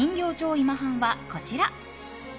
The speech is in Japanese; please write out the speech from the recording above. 今半はこちら。